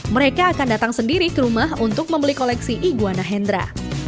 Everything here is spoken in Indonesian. mereka akan datang sendiri ke rumah untuk membeli koleksi iguana hendra